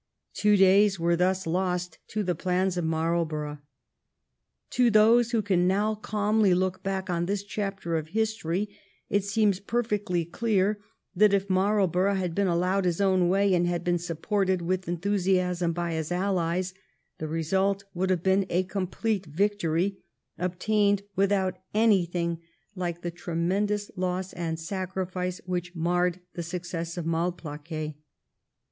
Two days were thus lost to the plans of Marlborough. To those who can now cahnly look back on this chapter of history it seems perfectly clear that if Marlborough had been allowed his own way, and had been supported with enthusiasm by his allies, the result would have been a complete victory obtained without anything like the tremendous loss and sacrifice which marred the success of Malplaquet.